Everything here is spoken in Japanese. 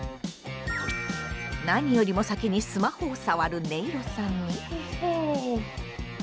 何よりも先にスマホを触るねいろさんに。